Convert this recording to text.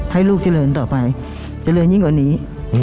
ให้ลูกเจริญต่อไปเจริญยิ่งกว่านี้